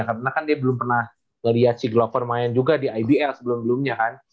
karena kan dia belum pernah ngeliat si glover main juga di ibl sebelum belumnya kan